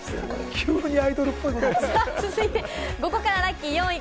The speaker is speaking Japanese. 急にアイドルっぽいことやってる。